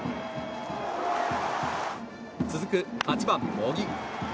続く８番、茂木。